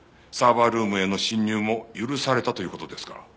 サーバールームへの侵入も許されたという事ですか？